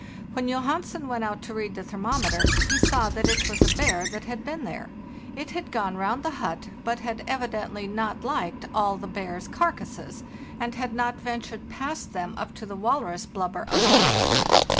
When Johansen went out to read the thermometer, he saw that it was a bear that had been there. It had gone round the hut, but had evidently not lked all the bears' carcasses, and had not ventured past them up to the wal rus blubber on the roof.